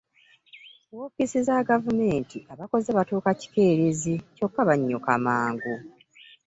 Woofiisi za gavumenti abakoze batuuka kikeerezi kyokka bannyuka mangu.